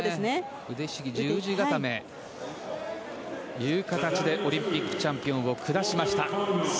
腕ひしぎ十字固めという形でオリンピックチャンピオンを下しました。